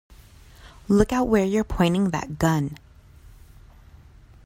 Look out where you're pointing that gun!